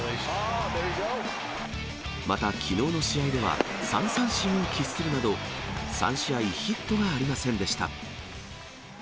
また、きのうの試合では３三振を喫するなど、３試合ヒットがありませんでした。